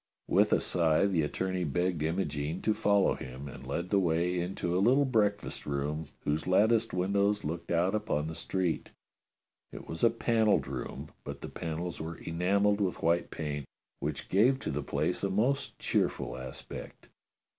With a sigh the attorney begged Imogene to follow him, and led the way into a little breakfast room whose latticed windows looked out upon the street. It was a panelled room, but the panels were enamelled with white paint, which gave to the place a most cheerful aspect.